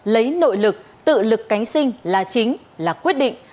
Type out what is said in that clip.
lấy nội lực tự lực cánh sinh là chính là quyết định